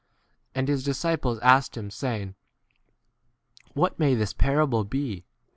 And his disciples asked him saying, What 10 may this parable be